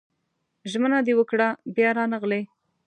ژمنه دې وکړه بيا رانغلې